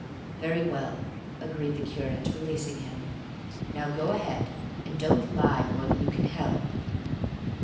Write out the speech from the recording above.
"Very well," agreed the curate, releasing him; "now go ahead, and don't lie more than you can help."